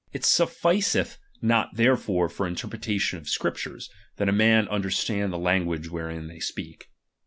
It sufficeth not therefore for interpre tation of Scriptures, that a man understand the language wherein they speak.